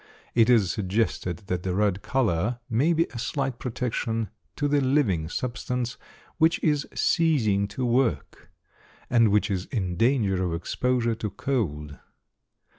It is suggested that the red color may be a slight protection to the living substance which is ceasing to work, and which is in danger of exposure to cold.